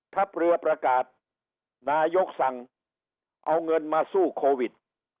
ทัพเรือประกาศนายกสั่งเอาเงินมาสู้โควิด